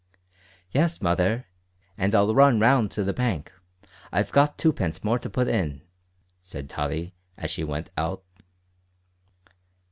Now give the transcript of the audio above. "Yes, mother, and I'll run round to the bank; I've got twopence more to put in," said Tottie as she went out.